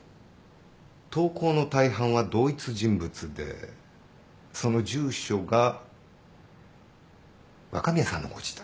投稿の大半は同一人物でその住所が若宮さんのご自宅。